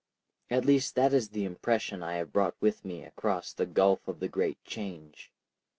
At least that is the impression I have brought with me across the gulf of the great Change.